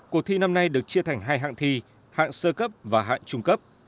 cuộc thi năm nay được chia thành hai hạng thi hạng sơ cấp và hạng trung cấp